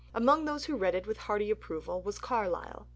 Among those who read it with hearty approval was Carlyle.